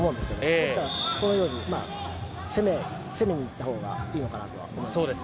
ですから、このように攻めに行ったほうがいいのかなと思います。